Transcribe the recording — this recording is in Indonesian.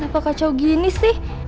apa kacau gini sih